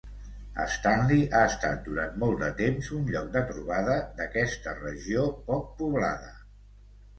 Stanley ha estat durant molt de temps un lloc de trobada d'aquesta regió poc poblada.